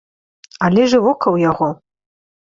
Але ж і вока ў яго.